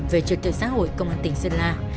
về trực tượng xã hội công an tỉnh sơn la